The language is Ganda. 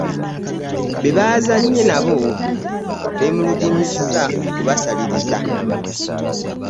Be baazannye nabo beemulugunyizza okubasaliriza.